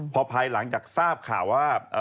พอภายหลังจากทราบข่าวว่า